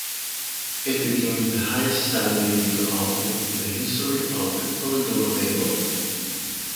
It became the highest selling debut album in the history of the Polydor label.